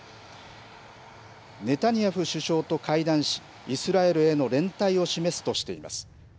ネタニヤフ首相と会談し、イスラエルへの連帯を示すとしています。